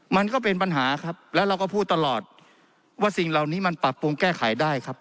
มันก็เป็นปัญหาครับแล้วเราก็พูดตลอดว่าสิ่งเหล่านี้มันปรับปรุงแก้ไขได้ครับ